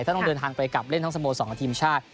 ถ้าต้องเดินทางไปกลับเล่นทั้งสโมสรกับทีมชาติ